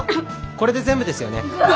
これで全部ですよね。